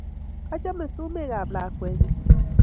Achame sumek ap lakwennyu